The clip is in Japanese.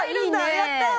やったー！